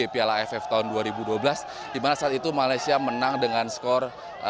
piala aff tahun dua ribu dua belas di mana saat itu malaysia menang dengan skor satu